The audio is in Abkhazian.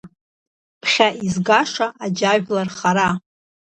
Ԥхьа изгаша аџьажәлар хара…